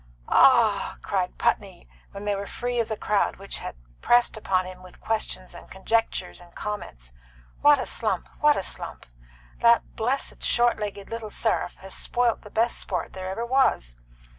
"Ah h h!" cried Putney, when they were free of the crowd which pressed upon him with questions and conjectures and comments. "What a slump! what a slump! That blessed, short legged little seraph has spoilt the best sport that ever was.